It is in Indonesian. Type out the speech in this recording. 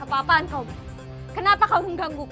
apa apaan kaum kenapa kau mengganggu